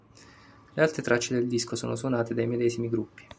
Le altre tre tracce del disco sono suonate dai medesimi gruppi.